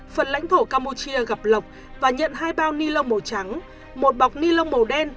phần lãnh thổ campuchia gặp lọc và nhận hai bao li lông màu trắng một bọc li lông màu đen